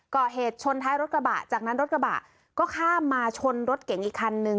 ก่อเหตุชนท้ายรถกระบะจากนั้นรถกระบะก็ข้ามมาชนรถเก๋งอีกคันนึง